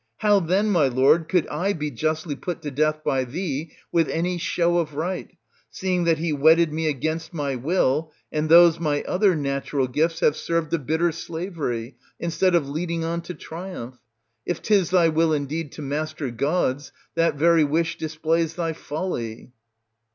How then, my lord, could I be justly ^ put to death by thee, with any show of right, seeing that he wedded me against my will, and those my other natural gifts have served a bitter slavery, instead of leading on to triumph? If 'tis thy will indeed to master gods, that very wish displays thy folly.